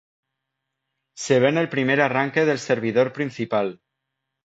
se ve en el primer arranque del servidor principal